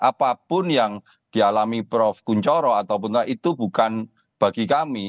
apapun yang dialami prof kunchoro ataupun itu bukan bagi kami